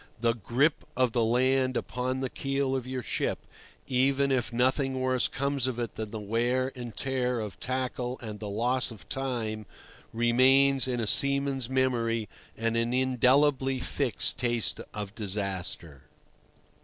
The grip of the land upon the keel of your ship, even if nothing worse comes of it than the wear and tear of tackle and the loss of time, remains in a seaman's memory an indelibly fixed taste of disaster.